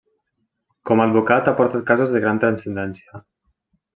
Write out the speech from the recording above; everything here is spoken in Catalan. Com a advocat ha portat casos de gran transcendència.